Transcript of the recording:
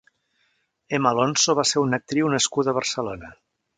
Emma Alonso va ser una actriu nascuda a Barcelona.